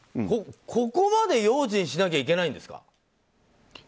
ここまで用心しなきゃいけないんですか。